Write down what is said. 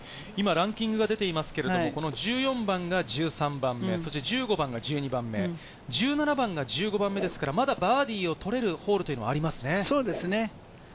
ランキングが出ていますけれど、１４番が１３番目、１５番が１２番目、１７番が１５番目ですから、まだバーディーを取れるホールというのはありますね。